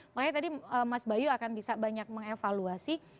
makanya tadi mas bayu akan bisa banyak mengevaluasi